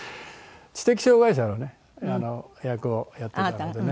知的障がい者のね役をやってたのでね。